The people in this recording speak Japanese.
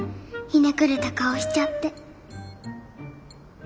ひねくれた顔しちゃって。